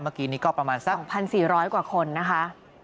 เมื่อกี้นี้ก็ประมาณสัก๒๔๐๐กว่าคนนะคะ